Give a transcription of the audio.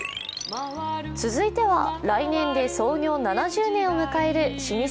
続いては来年で創業７０年を迎える老舗